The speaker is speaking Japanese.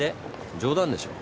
冗談でしょ。